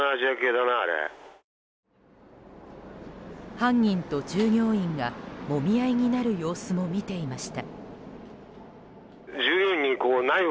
犯人と従業員がもみ合いになる様子も見ていました。